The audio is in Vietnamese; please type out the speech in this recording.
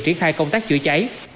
triển khai công tác chữa cháy